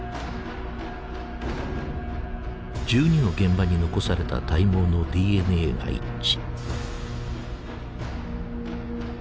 １２の現場に残された体毛のＤＮＡが一致。